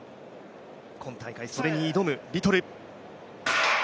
今大会、それに挑むリトル。